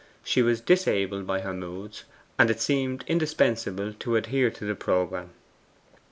She was disabled by her moods, and it seemed indispensable to adhere to the programme.